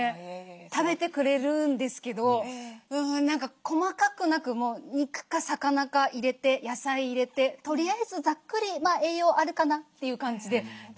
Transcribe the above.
食べてくれるんですけど細かくなく肉か魚か入れて野菜入れてとりあえずざっくり栄養あるかなという感じで出してますね。